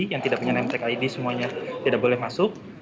yang tidak punya nametack id semuanya tidak boleh masuk